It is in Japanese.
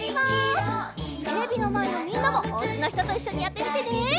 テレビのまえのみんなもおうちのひとといっしょにやってみてね！